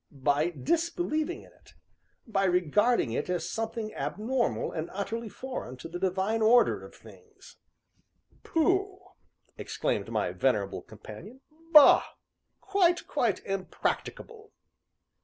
"By disbelieving in it; by regarding it as something abnormal and utterly foreign to the divine order of things." "Pooh!" exclaimed my venerable companion. "Bah! quite, quite impracticable!"